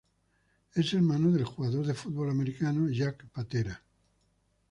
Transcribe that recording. Es hermano del jugador de fútbol americano Jack Patera.